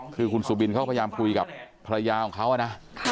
คือคุณสุบินเขาพยายามคุยกับภรรยาของเขานะ